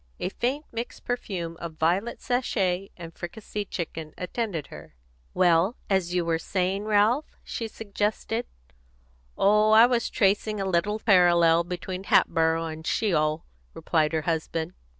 A faint, mixed perfume of violet sachet and fricasseed chicken attended her. "Well, as you were saying, Ralph?" she suggested. "Oh, I was just tracing a little parallel between Hatboro' and Sheol," replied her husband.